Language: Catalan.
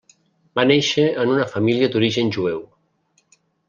Va néixer en una família d'origen jueu.